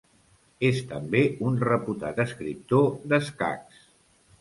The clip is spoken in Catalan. És també un reputat escriptor d'escacs.